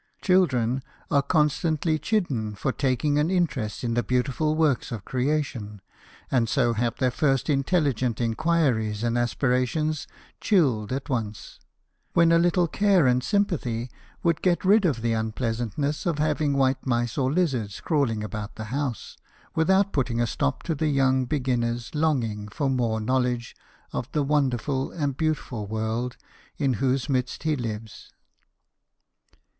Children are constantly chidden for taking an interest in the beautiful works of creation, and so have their first in telligent inquiries and aspirations chilled at once ; when a little care and sympathy would get rid of the unpleasantness of having white mice or lizards crawling about the house, with out putting a stop to the young beginner's longing for more knowledge of the wonderful and beautiful world in whose midst he lives.